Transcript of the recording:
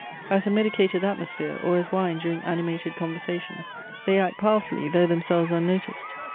As a medicated atmosphere, or as wine during animated conversation, they act powerfully, though themselves unnoticed.